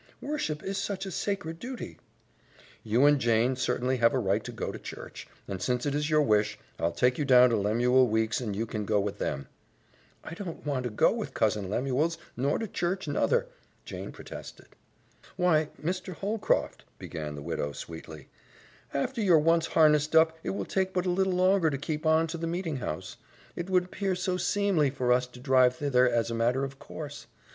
Worship is such a sacred duty " "You and Jane certainly have a right to go to church, and since it is your wish, I'll take you down to Lemuel Weeks' and you can go with them." "I don't want to go to Cousin Lemuel's, nor to church, nuther," Jane protested. "Why, Mr. Holcroft," began the widow sweetly, "after you've once harnessed up it will take but a little longer to keep on to the meeting house. It would appear so seemly for us to drive thither, as a matter of course.